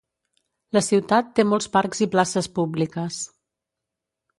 La ciutat té molts parcs i places públiques.